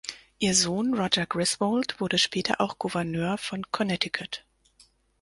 Ihr Sohn Roger Griswold wurde später auch Gouverneur von Connecticut.